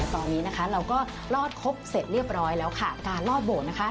ตอนนี้นะคะเราก็รอดครบเสร็จเรียบร้อยแล้วค่ะการลอดโบสถนะคะ